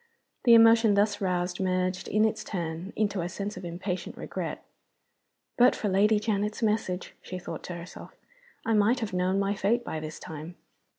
The emotion thus roused merged, in its turn, into a sense of impatient regret. "But for Lady Janet's message," she thought to herself, "I might have known my fate by this time!"